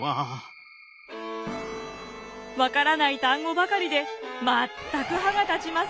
分からない単語ばかりで全く歯が立ちません。